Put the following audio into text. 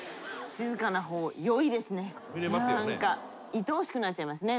いとおしくなっちゃいますね。